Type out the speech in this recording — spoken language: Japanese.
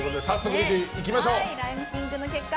ランキングの結果